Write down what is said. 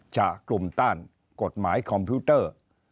จากกลุ่มต้านกฎหมายคอมพิวเตอร์